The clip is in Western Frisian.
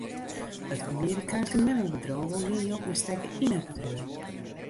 It Amerikaanske memmebedriuw wol gjin jild mear stekke yn it bedriuw.